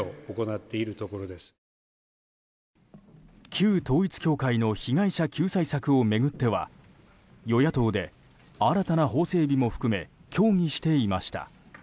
旧統一教会の被害者救済策を巡っては与野党で新たな法整備も含め協議していました。